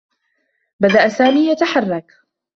بدأ سامي يتحرّك.